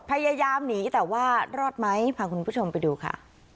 พยายามหนีแต่ว่ารอดไหมพาคุณผู้ชมไปดูค่ะ